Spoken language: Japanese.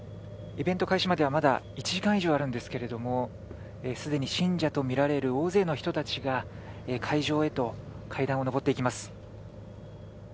イベント開始まではまだ１時間以上あるんですけれどもすでに信者とみられる大勢の人たちが会場へと階段を上っていきます。